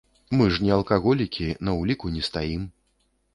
Мы ж не алкаголікі, на ўліку не стаім.